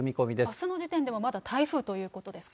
あすの時点ではまだ台風ということですか。